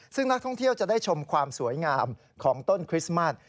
ซึ่งนักท่องเที่ยวจะได้ชมความสวยงามของต้นคริสต์มัส